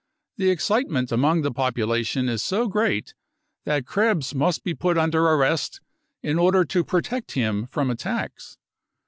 The excitement among the population is so great that Krebs must be put under arrest in order to protect him from attacks.